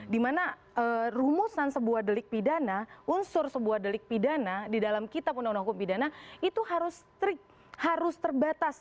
dimana rumusan sebuah delik pidana unsur sebuah delik pidana di dalam kitab uuhp itu harus terbatas